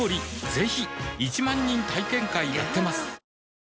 ぜひ１万人体験会やってますはぁ。